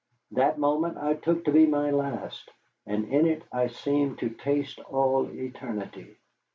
That moment I took to be my last, and in it I seemed to taste all eternity.